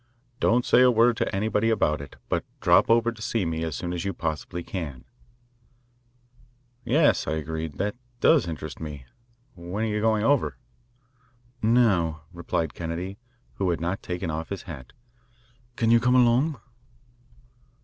Don't say a word to anybody about it, but drop over to see me as soon as you possibly can." "Yes," I agreed, "that does interest me. When are you going over?" "Now," replied Kennedy, who had not taken off his hat. "Can you come along?"